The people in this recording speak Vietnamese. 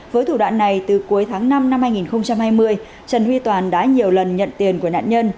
với thủ đoạn này từ cuối tháng năm năm hai nghìn hai mươi trần huy toàn đã nhiều lần nhận tiền của nạn nhân